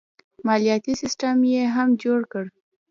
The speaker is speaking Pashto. مالیاتي سیستم یې هم جوړ کړ.